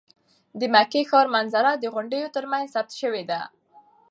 د مکې ښار منظره د غونډیو تر منځ ثبت شوې ده.